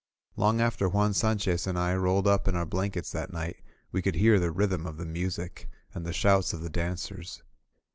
Long after Juan Sanchez and I rolled up in our blankets that night, we could hear the rhythm of the music, and the shouts of the dancers.